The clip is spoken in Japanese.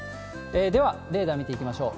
では、レーダー見てみましょう。